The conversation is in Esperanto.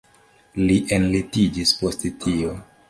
Li enlitiĝis post tio.